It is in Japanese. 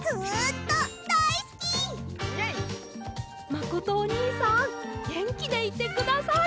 まことおにいさんげんきでいてください。